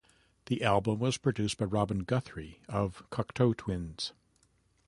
The album was produced by Robin Guthrie of Cocteau Twins.